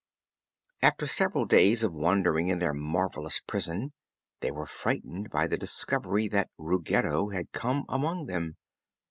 After several days of wandering in their marvelous prison they were frightened by the discovery that Ruggedo had come among them.